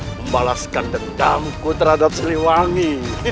membalaskan dendamku terhadap siliwangi